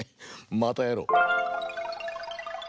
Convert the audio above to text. またやろう！